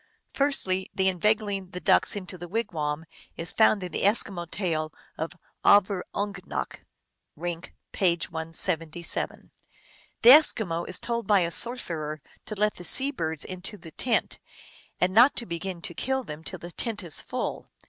Firstly, the inveigling the ducks into the wigwam is found in the Eskimo tale of Avurungnak (Rink, p. 177). The Eskimo is told by a sorcerer to let the sea birds into the tent, and not to begin to kill them till the tent is full.